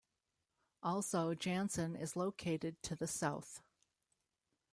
Also Janssen is located to the south.